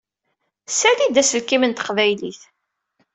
Sali-d aselkim n teqbaylit.